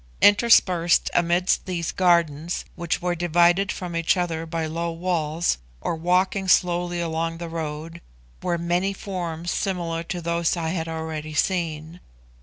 Interspersed amidst these gardens, which were divided from each other by low walls, or walking slowly along the road, were many forms similar to those I had already seen.